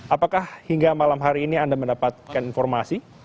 apakah hingga malam hari ini anda mendapatkan informasi